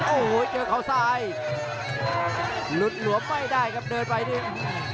โอ้โหเจอเขาซ้ายหลุดหลวมไม่ได้ครับเดินไปดิน